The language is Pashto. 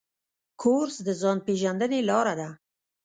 کورس د ځان پېژندنې لاره ده.